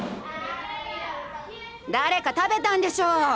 誰か食べたんでしょう？